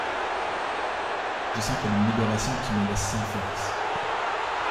Je sens comme une libération qui me laisse sans forces.